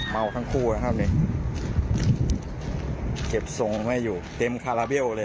ทั้งคู่นะครับเนี่ยเก็บทรงไว้อยู่เต็มคาราเบลเลย